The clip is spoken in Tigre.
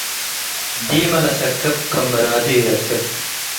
ዲመ ለሰክብ ክም ምራዱ ኢረክብ።